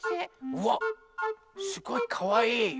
うわっすごいかわいい！